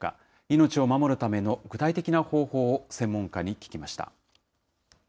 命を守るための具体的な方法を専門家に聞きました。